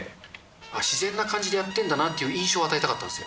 自然な感じでやってるんだなっていう印象を与えたかったんですよ。